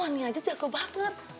wannya aja jago banget